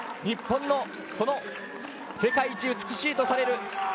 日本の世界一美しいとされる